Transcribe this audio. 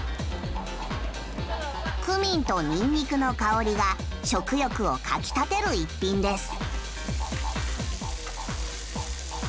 クミンとニンニクの香りが食欲をかきたてる一品です。